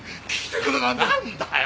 なんだよ！